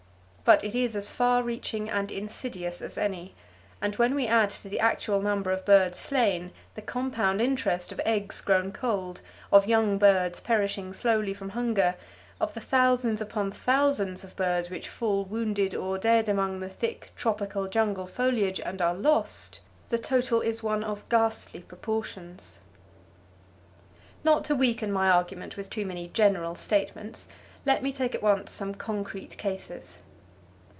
But it is as far reaching and insidious as any; and when we add to the actual number of birds slain, the compound interest of eggs grown cold, of young birds perishing slowly from hunger, of the thousands upon thousands of birds which fall wounded or dead among the thick tropical jungle foliage and are lost, the total is one of ghastly proportions. Not to weaken my argument with too many general statements, let me take at once some concrete cases.